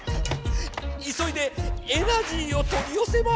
いそいでエナジーをとりよせます！